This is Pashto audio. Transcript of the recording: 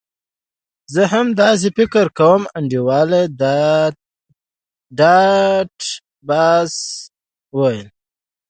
زه هم همداسې فکر کوم انډریو ډاټ باس وویل